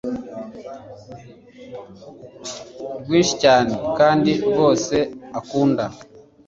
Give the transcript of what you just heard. rwinshi cyane kandi rwose akunda